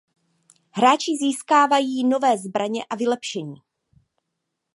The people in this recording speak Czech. Hráči získávají nové zbraně a vylepšení.